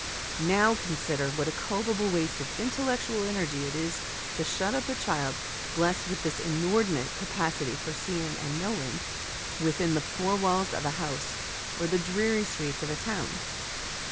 Now, consider what a culpable waste of intellectual energy it is to shut up a child, blessed with this inordinate capacity for seeing and knowing, within the four walls of a house, or the dreary streets of a town.